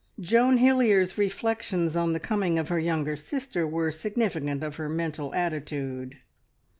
Joan Hilliard's reflections on the coming of her younger sister were significant of her mental attitude.